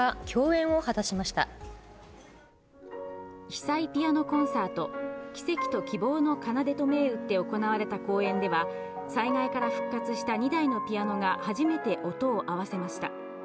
被災ピアノコンサート、奇跡と希望の奏でと銘打って行われた公演では、災害から復活した２台のピアノが初めて音を合わせました。